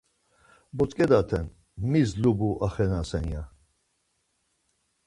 Botzǩedaten mis lubu axenasen ya.